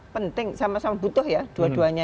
penting sama sama butuh ya dua duanya